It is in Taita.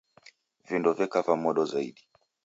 Vindo veka va modo zaidi